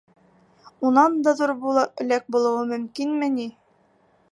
Унан да ҙур бүләк булыуы мөмкинме ни?!